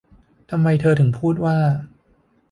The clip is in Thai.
'ทำไมเธอถึงพูดว่า'